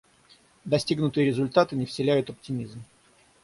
Достигнутые результаты не вселяют оптимизм.